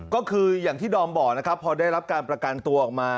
ก็คืออย่างที่ดอมบอกนะครับพอได้รับการประกันตัวออกมา